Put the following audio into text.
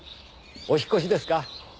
お引っ越しですか？